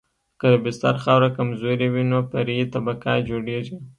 که د بستر خاوره کمزورې وي نو فرعي طبقه جوړیږي